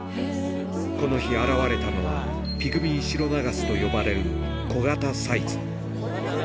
この日現れたのは、ピグミーシロナガスと呼ばれる小型サイズ。